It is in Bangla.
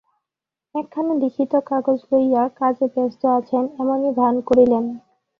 একখানা লিখিত কাগজ লইয়া কাজে ব্যস্ত আছেন এমনি ভান করিলেন।